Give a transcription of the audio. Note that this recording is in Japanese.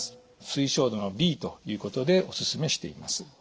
推奨度Ｂということでお勧めしています。